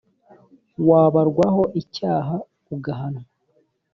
wabarwaho icyaha ugahanwa